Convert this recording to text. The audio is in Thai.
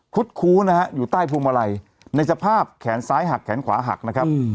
คู้นะฮะอยู่ใต้พวงมาลัยในสภาพแขนซ้ายหักแขนขวาหักนะครับ